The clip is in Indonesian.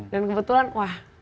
dan kebetulan wah